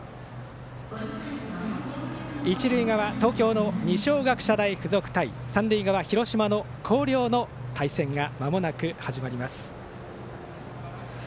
一塁側、東京の二松学舎大付属対三塁側、広島の広陵の対戦がまもなく始まります。